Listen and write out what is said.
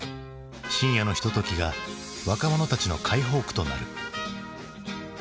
深夜のひとときが若者たちの解放区となる。